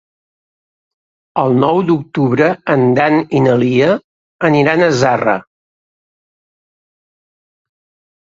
El nou d'octubre en Dan i na Lia aniran a Zarra.